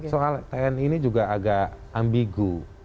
soal tni ini juga agak ambigu